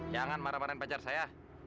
jangan marah marahin pacar saya